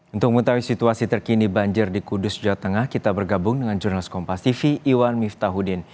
untuk mengetahui situasi terkini banjir di kudus jawa tengah kita bergabung dengan jurnalis kompas tv iwan miftahudin